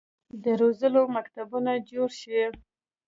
د روزلو مکتبونه جوړ شي.